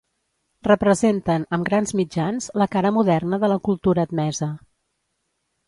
Representen, amb grans mitjans, la cara moderna de la cultura admesa.